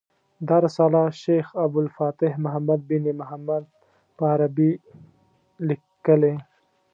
دا رساله شیخ ابو الفتح محمد بن محمد په عربي لیکلې.